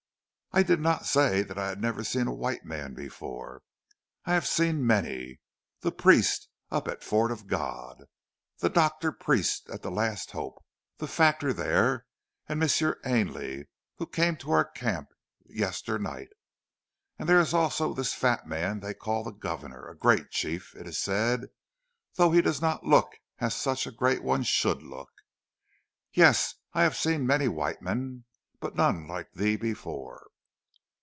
"I did not say that I had never seen a white man before. I have seen many. The priest up at Fort of God, the doctor priest at the Last Hope, the factor there, and M'sieu Ainley who came to our camp yesternight. And there is also this fat man they call the governor a great chief, it is said; though he does not look as such a great one should look. Yes, I have seen many white men, but none like thee before."